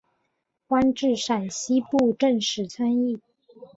官至陕西布政使参议。